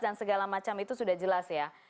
dan segala macam itu sudah jelas ya